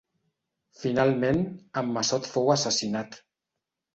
Finalment, en Massot fou assassinat.